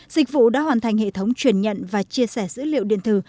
dịch vụ đã hoàn thành hệ thống chuyển nhận và chia sẻ dữ liệu